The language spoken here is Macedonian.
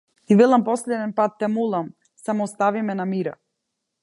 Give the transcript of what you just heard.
Ти велам последен пат, те молам, само остави ме на мира.